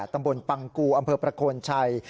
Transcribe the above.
ตำบลปังกูอำเภอประโคนชัย